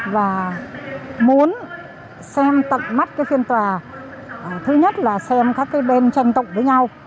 và muốn xem tận mắt cái phiên tòa thứ nhất là xem các cái bên tranh tụng với nhau